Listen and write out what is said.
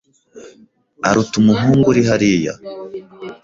Aruta umuhungu uri hariya.